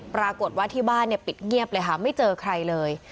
ปรากฏว่าที่บ้านปิดเงียบเลยค่ะไม่เจอใครเลย